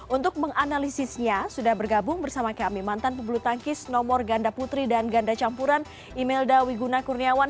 untuk menganalisisnya sudah bergabung bersama kami mantan pebulu tangkis nomor ganda putri dan ganda campuran imelda wiguna kurniawan